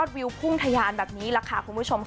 สวัสดีค่ะ